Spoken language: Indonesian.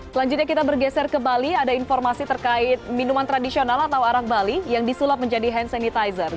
selanjutnya kita bergeser ke bali ada informasi terkait minuman tradisional atau arang bali yang disulap menjadi hand sanitizer